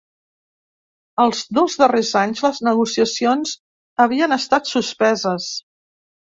Els dos darrers anys les negociacions havien estat suspeses.